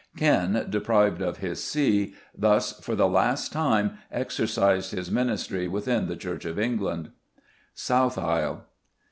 Ken, deprived of his see, thus, for the last time, exercised his ministry within the Church of England. _South Aisle.